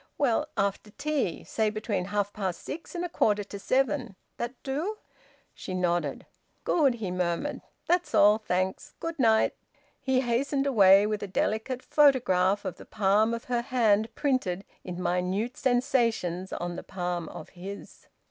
"Well, after tea. Say between half past six and a quarter to seven. That do?" She nodded. "Good," he murmured. "That's all! Thanks. Good night!" He hastened away, with a delicate photograph of the palm of her hand printed in minute sensations on the palm of his.